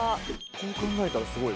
こう考えたらすごい。